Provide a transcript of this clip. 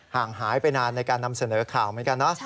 ห่างหายไปนานในการนำเสนอข่าวเหมือนกันนะ